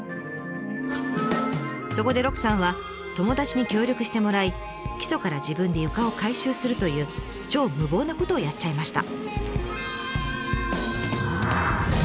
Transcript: そこで鹿さんは友達に協力してもらい基礎から自分で床を改修するという超無謀なことをやっちゃいました。